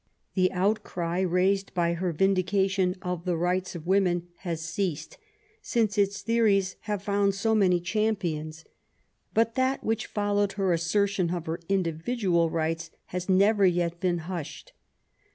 The outcry raised by her Vindication of the Rights of Women has ceased^ since its theories have found so many champions ; but that which followed her assertion of her individual rights has never yet been hushed.